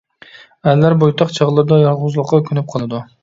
ئەرلەر بويتاق چاغلىرىدا يالغۇزلۇققا كۆنۈپ قالىدۇ.